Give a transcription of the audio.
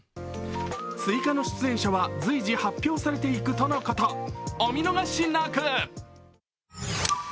追加の出演者は随時発表されていくとのこと、お見逃しなく！